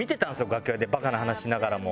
楽屋でバカな話しながらも。